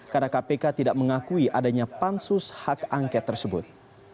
karena kpk tidak mengakui adanya pansus hak angket tersebut